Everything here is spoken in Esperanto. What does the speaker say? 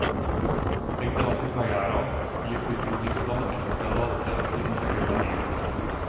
Ekde la sekva jaro li estis drumisto en hotelo de Okcidenta Germanio.